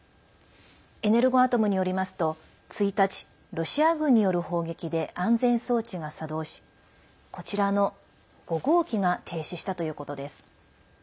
エネルゴアトムによりますと１日、ロシア軍による砲撃で安全装置が作動し、こちらの５号機が停止したということです。